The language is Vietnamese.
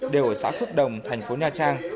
đều ở xã phước đồng thành phố nha trang